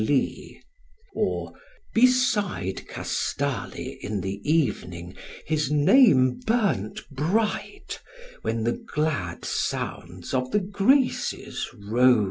Translated by Myers] or "beside Kastaly in the evening his name burnt bright, when the glad sounds of the Graces rose."